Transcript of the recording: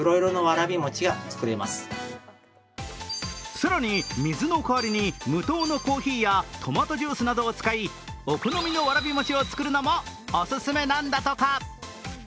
更に水の代わりに無糖のコーヒーやトマトジュースなどを使い、お好みのわらび餅を作るのもオススメなんだとか。